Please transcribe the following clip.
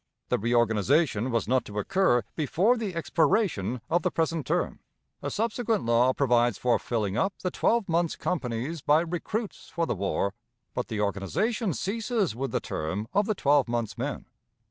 The reorganization was not to occur before the expiration of the present term. A subsequent law provides for filling up the twelve months' companies by recruits for the war, but the organization ceases with the term of the twelve months' men.